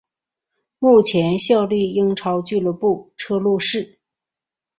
目前效力英超俱乐部车路士。